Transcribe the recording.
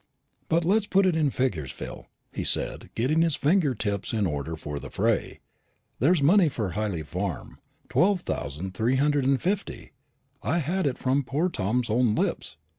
"Let us put it in figures, Phil," he said, getting his finger tips in order for the fray. "There's the money for Hyley Farm twelve thousand three hundred and fifty, I had it from poor Tom's own lips.